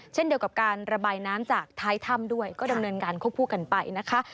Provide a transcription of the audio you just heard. เช่นเดียวกับการระบายน้ำจากท้ายถ้ำด้วยก็ดำเนินการควบคู่กันไปนะคะ